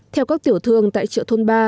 theo các tiểu thương tại chợ thôn ba